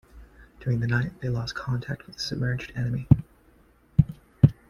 During the night, they lost contact with the submerged enemy.